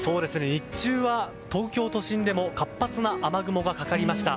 日中は東京都心でも活発な雨雲がかかりました。